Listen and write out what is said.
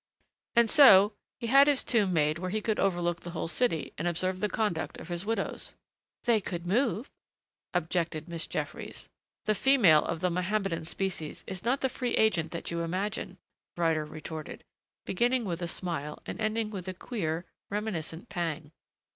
"And so he had his tomb made where he could overlook the whole city and observe the conduct of his widows." "They could move," objected Miss Jeffries. "The female of the Mohammedan species is not the free agent that you imagine," Ryder retorted, beginning with a smile and ending with a queer, reminiscent pang.